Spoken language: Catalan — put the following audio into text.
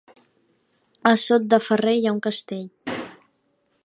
A Sot de Ferrer hi ha un castell?